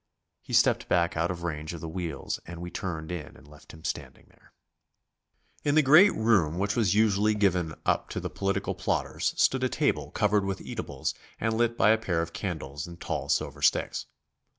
He stepped back out of range of the wheels, and we turned in and left him standing there. In the great room which was usually given up to the political plotters stood a table covered with eatables and lit by a pair of candles in tall silver sticks.